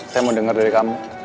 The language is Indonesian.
saya mau dengar dari kamu